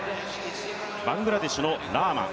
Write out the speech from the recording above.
バングラデシュのラーマン。